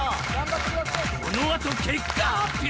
このあと結果発表！